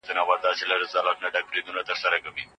د عاجزۍ په وخت کي له خلګو مال مه اخلئ.